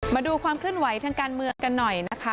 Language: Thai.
มาดูความเคลื่อนไหวทางการเมืองกันหน่อยนะคะ